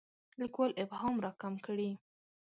لیکوال ابهام راکم کړي.